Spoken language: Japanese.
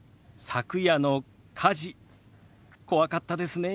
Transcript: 昨夜の火事怖かったですね。